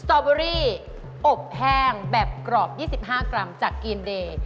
ตอเบอรี่อบแห้งแบบกรอบ๒๕กรัมจากกีมเดย์